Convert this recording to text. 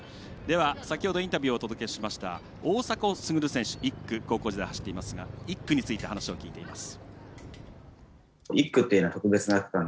先ほどインタビューをお届けしました大迫傑選手、１区を高校時代、走っていますが１区について話を聞いています。